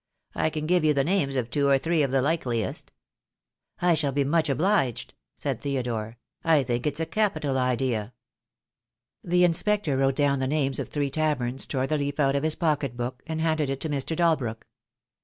I can give you the names of two or three of the likeliest." "I shall be much obliged," said Theodore. "I think it's a capital idea." The inspector wrote down the names of three taverns, tore the leaf out of his pocket book, and handed it to Mr. Dalbrook.